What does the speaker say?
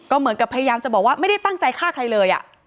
เหมือนกับพยายามจะบอกว่าไม่ได้ตั้งใจฆ่าใครเลย